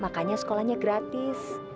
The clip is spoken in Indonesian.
makanya sekolahnya gratis